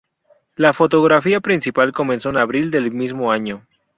La fotografía principal comenzó en abril del mismo año.